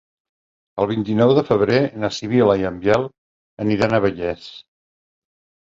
El vint-i-nou de febrer na Sibil·la i en Biel aniran a Vallés.